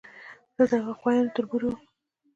زه د هغو غوایانو تربور یم.